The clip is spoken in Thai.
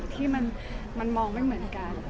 ที่มันมองไม่เหมือนกัน